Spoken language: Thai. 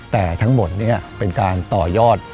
แต่ทั้งหมดนี้เป็นการต่อยอด